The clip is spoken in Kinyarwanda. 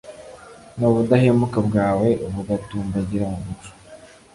n'ubudahemuka bwawe bugatumbagira mu bicu